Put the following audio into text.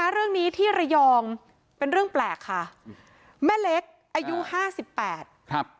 เรื่องนี้ที่ระยองเป็นเรื่องแปลกค่ะแม่เล็กอายุห้าสิบแปดครับ